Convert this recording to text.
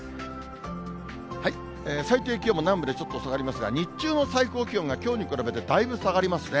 最低気温も南部でちょっと下がりますが、日中の最高気温がきょうに比べてだいぶ下がりますね。